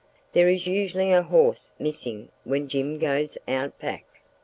(There is usually a horse missing when Jim goes out back.)